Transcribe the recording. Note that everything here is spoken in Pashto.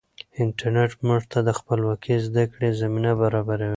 انټرنیټ موږ ته د خپلواکې زده کړې زمینه برابروي.